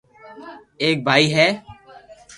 ايڪ ڀائي ھي